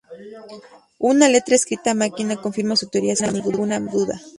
Una letra escrita a máquina confirma su teoría sin ninguna duda.